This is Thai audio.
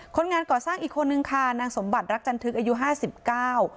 คนงานก่อสร้างอีกคนนึงค่ะนางสมบัติรักจันทึกอายุห้าสิบเก้า